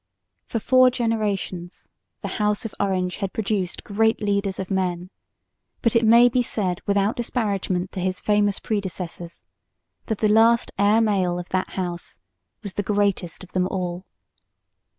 For four generations the House of Orange had produced great leaders of men, but it may be said without disparagement to his famous predecessors that the last heir male of that House was the greatest of them all.